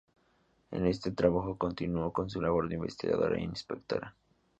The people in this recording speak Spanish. En este trabajo continuó con su labor de investigadora e inspectora.